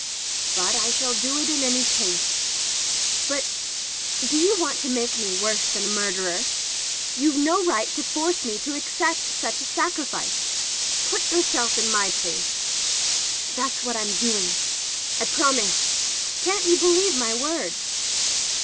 "But I shall do it in any case." "But — do you want to make me worse than a murderer ? You've no right to force me to accept such a sacrifice. Put yourself in my place." "That's what I've been doing." " I promise— Can't you believe my word